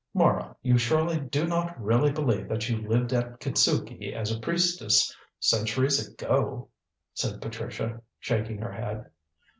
"Mara, you surely do not really believe that you lived at Kitzuki as a priestess centuries ago?" said Patricia, shaking her head.